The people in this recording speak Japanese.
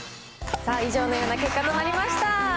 以上のような結果になりました。